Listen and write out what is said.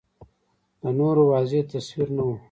د نورو واضح تصویر نه و